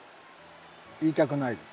言いたくないです。